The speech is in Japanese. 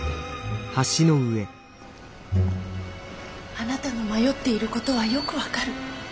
「あなたの迷っていることはよく分かる。